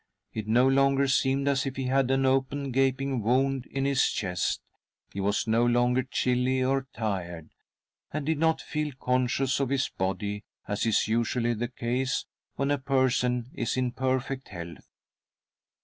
It, no longer seemed as if he had an open gaping wound in his chest ; he was no longer chilly or tired,, and did not feel conscious of his body, as is usually the case when a person is in perfect health..